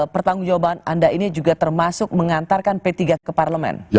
pertanggung jawaban anda ini juga termasuk mengantarkan p tiga ke parlemen